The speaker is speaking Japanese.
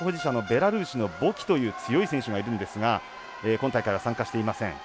ベラルーシのボキという強い選手がいるんですが今大会は参加していません。